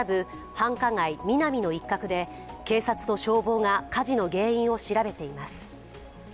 繁華街・ミナミの一角で警察と消防が火事の原因を調べています。